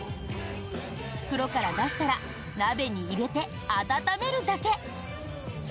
袋から出したら鍋に入れて温めるだけ。